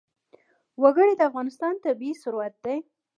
وګړي د افغانستان طبعي ثروت دی.